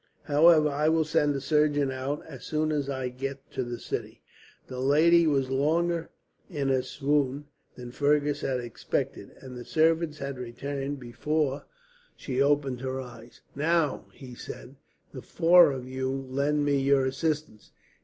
However, I will send a surgeon out, as soon as I get to the city." The lady was longer in her swoon than Fergus had expected, and the servants had returned before she opened her eyes. "Now," he said, "do four of you lend me your assistance.